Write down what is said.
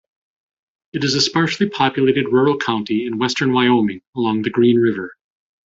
It is a sparsely populated rural county in western Wyoming, along the Green River.